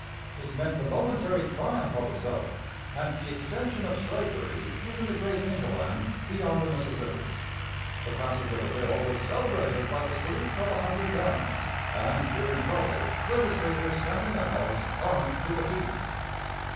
It meant the momentary triumph of the South and the extension of slavery into the great hinterland beyond the Mississippi. The passage of the bill was celebrated by the salute of a hundred guns; and, fearing trouble, legislators sat in the House armed to the teeth.